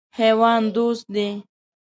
حیوان دوست دی.